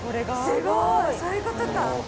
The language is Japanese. すごいそういうことか。